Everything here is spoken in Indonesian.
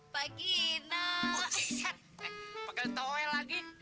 belian masih bagi no beliin